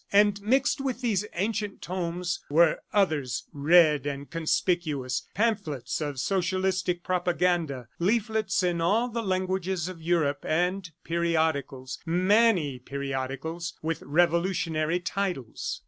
And mixed with these ancient tomes were others red and conspicuous, pamphlets of socialistic propaganda, leaflets in all the languages of Europe and periodicals many periodicals, with revolutionary titles.